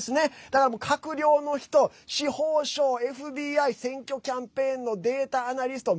だから閣僚の人、司法省、ＦＢＩ選挙キャンペーンのデータアナリスト。